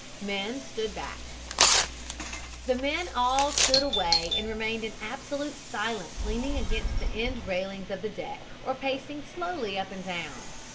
MEN STOOD BACK "The men all stood away and remained in absolute silence leaning against the end railings of the deck or pacing slowly up and down.